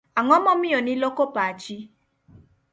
Ang'o momiyo ni loko pachi?